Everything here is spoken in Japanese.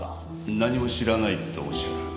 何も知らないとおっしゃる？